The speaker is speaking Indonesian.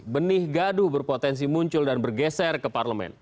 benih gaduh berpotensi muncul dan bergeser ke parlemen